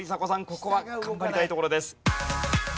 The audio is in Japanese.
ここは頑張りたいところです。